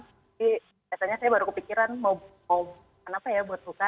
jadi biasanya saya baru kepikiran mau buat apa ya buat buka